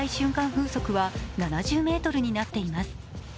風速は７０メートルになっています。